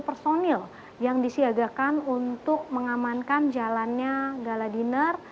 satu ratus lima puluh personil yang disiapkan untuk mengamankan jalannya gala dinner